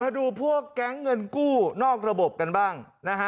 ดูพวกแก๊งเงินกู้นอกระบบกันบ้างนะฮะ